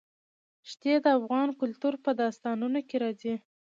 ښتې د افغان کلتور په داستانونو کې راځي.